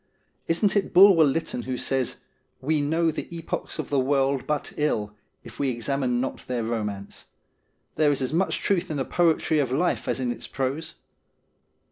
Isn't it Bulwer Lytton who says :' We know the epochs of the world but ill if we examine not their romance. There is as much truth in the poetry of life as in its prose